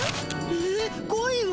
ええ恋は？